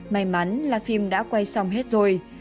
may mắn là phim đã quay xong hết rồi